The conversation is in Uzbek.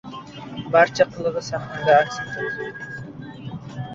Barcha qilig‘i sahnada aks etdi.